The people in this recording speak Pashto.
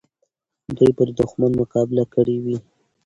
دوی به د دښمن مقابله کړې وي.